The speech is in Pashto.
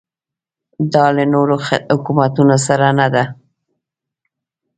دا له نورو حکومتونو سره نه ده.